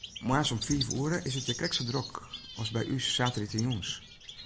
Moarns om fiif oere is it hjir krekt sa drok as by ús saterdeitejûns.